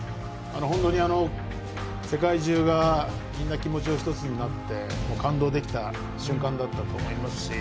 本当に世界中がみんな気持ちが１つになって感動できた瞬間だったと思いますし。